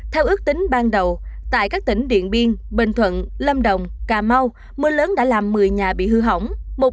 theo ước tính ban đầu tại các tỉnh điện biên bình thuận lâm đồng cà mau mưa lớn đã làm một mươi nhà bị hư hỏng